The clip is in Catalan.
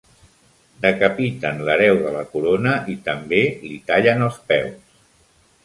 Decapiten l'hereu de la corona i també li tallen els peus.